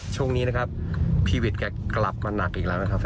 ช่วงนี้นะครับพีวิทย์แกกลับมาหนักอีกแล้วนะครับ